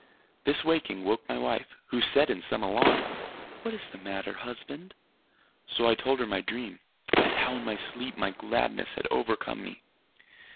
This waking woke my wife, who said in some alarm: "What is the matter, husband?" So I told her my dream, and how in my sleep my gladness had overcome me.